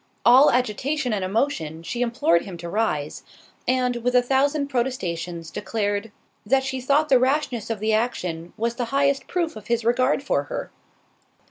All agitation and emotion, she implored him to rise, and, with a thousand protestations, declared, "That she thought the rashness of the action was the highest proof of his regard for her."